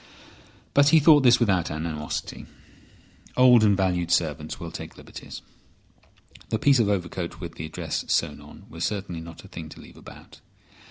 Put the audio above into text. But he thought this without animosity. Old and valued servants will take liberties. The piece of overcoat with the address sewn on was certainly not a thing to leave about.